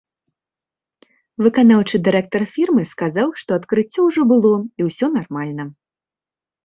Выканаўчы дырэктар фірмы сказаў, што адкрыццё ужо было і ўсё нармальна.